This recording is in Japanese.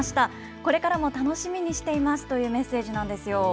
これからも楽しみにしていますというメッセージなんですよ。